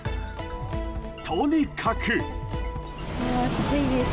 とにかく。